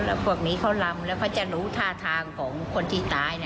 แล้วพวกนี้เขาลำแล้วเขาจะรู้ท่าทางของคนที่ตาย